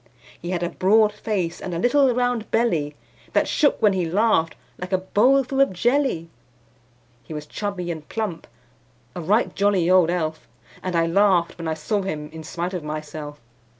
He had a broad face, and a little round belly That shook when he laughed, like a bowl full of jelly. He was chubby and plump a right jolly old elf; And I laughed when I saw him in spite of myself.